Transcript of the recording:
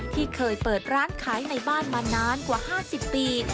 ที่เคยเปิดร้านขายในบ้านมานานกว่า๕๐ปี